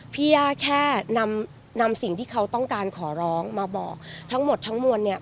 พี่ย่าแค่นำสิ่งที่เขาต้องการขอร้องมาบอกทั้งหมดทั้งมวลเนี่ย